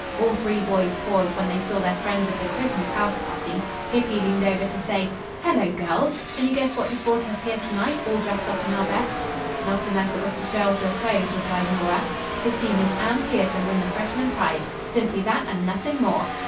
All three boys paused when they saw their friends of the Christmas house party. Hippy leaned over to say: "Hello, girls! Can you guess what has brought us here to night, all dressed up in our best?" "Not unless it was to show off your clothes," replied Nora. "To see Miss Anne Pierson win the freshman prize. Simply that, and nothing more."